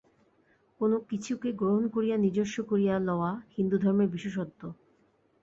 কোন কিছুকে গ্রহণ করিয়া নিজস্ব করিয়া লওয়া হিন্দুধর্মের বিশেষত্ব।